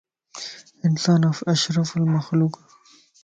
انسان اشرفُ المخلوقَ